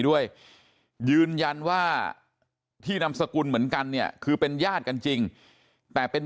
ด้วยยืนยันว่าที่นามสกุลเหมือนกันเนี่ยคือเป็นญาติกันจริงแต่เป็น